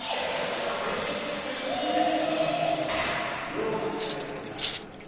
ローマにあるやつじゃん。